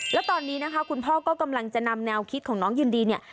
แล้วตอนนี้นะคะคุณพ่อก็กำลังจะนำแนวคิดของน้องยินดีเนี่ย